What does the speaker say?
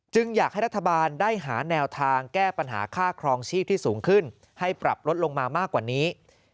อยากให้รัฐบาลได้หาแนวทางแก้ปัญหาค่าครองชีพที่สูงขึ้นให้ปรับลดลงมามากกว่านี้